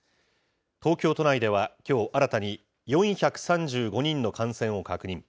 東京都内ではきょう新たに４３５人の感染を確認。